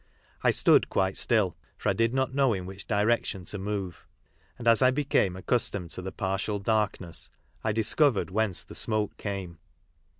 I stood quite still, for I did not know in which direction to move, and as I became accustomed to the partial darkness I discovered whence the smoke came.